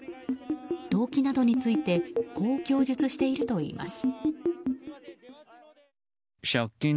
動機などについてこう供述しているといいます。